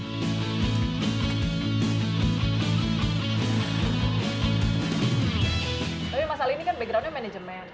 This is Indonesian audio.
tapi mas ali ini kan backgroundnya manajemen